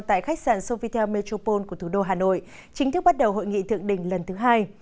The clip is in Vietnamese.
tại khách sạn sovietel metropole của thủ đô hà nội chính thức bắt đầu hội nghị thượng đỉnh lần thứ hai